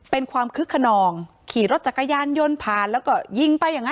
เป็นความคึกขนองขี่รถจักรยานยนต์ผ่านแล้วก็ยิงไปอย่างนั้น